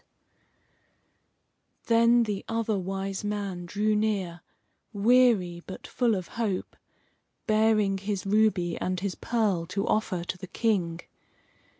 Then the Other Wise Man drew near, weary, but full of hope, bearing his ruby and his pearl to offer to the King.